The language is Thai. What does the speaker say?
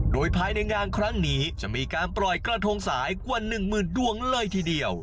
โดยภายในงานครั้งนี้จะมีการปล่อยกระทงสายกว่า๑หมื่นดวงเลยทีเดียว